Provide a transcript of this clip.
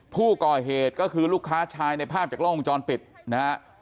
ผู้ก่อเหตุก็คือลูกค้าชายในภาพงงจรปิดนะครับ